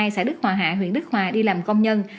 xã đức hòa hạ huyện đức hòa đi làm công nhân